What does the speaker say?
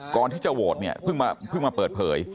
ก่อนที่จะโหวตเนี่ยเพิ่งมาเปิดเผย